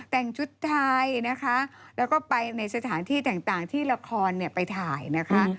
แต่งชุดไทยนะคะแล้วก็ไปในสถานที่ต่างที่ละครไปถ่ายนะคะ